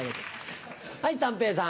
はい三平さん。